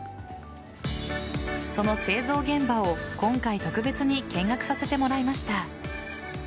その製造現場を今回、特別に見学させてもらいました。